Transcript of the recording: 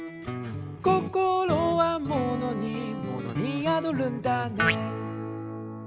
「こころはモノにモノにやどるんだね」